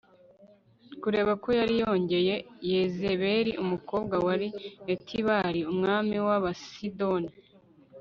Kubera ko yari yarongoye Yezebeli umukobwa wa Etibāli umwami wAbasidoni